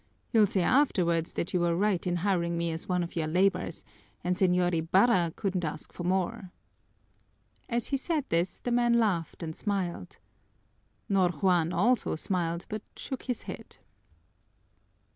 You'll say afterwards that you were right in hiring me as one of your laborers, and Señor Ibarra couldn't ask for more!" As he said this the man laughed and smiled. Ñor Juan also smiled, but shook his head.